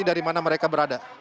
dari mana mereka berada